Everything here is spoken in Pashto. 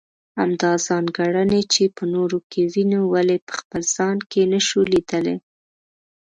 همدا ځانګړنې چې په نورو کې وينو ولې په خپل ځان کې نشو ليدلی.